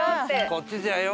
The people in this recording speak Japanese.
「こっちじゃよ！」。